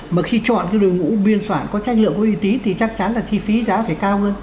mà khi chọn cái đội ngũ biên soạn có chất lượng có uy tín thì chắc chắn là chi phí giá phải cao hơn